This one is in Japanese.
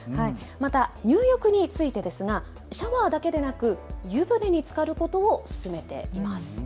また入浴についてですが、シャワーだけでなく湯船につかることをすすめています。